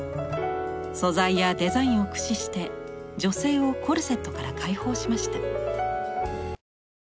素材やデザインを駆使して女性をコルセットから解放しました。